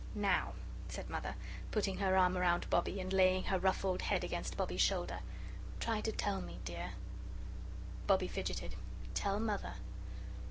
"Now," said Mother, putting her arm round Bobbie and laying her ruffled head against Bobbie's shoulder, "try to tell me, dear." Bobbie fidgeted. "Tell Mother."